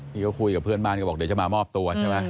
ที่เขาคุยกับเพื่อนบ้านก็บอกเดี๋ยวจะมามอบตัวใช่ไหม